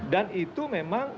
dan itu memang